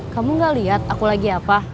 kamu gak lihat aku lagi apa